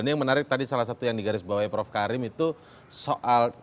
ini yang menarik tadi salah satu yang digarisbawahi prof karim itu soal